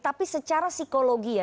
tapi secara psikologi ya